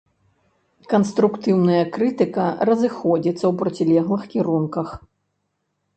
Канструктыўная крытыка разыходзіцца ў процілеглых кірунках.